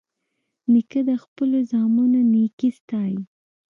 نیکه د خپلو زامنو نیکي ستايي.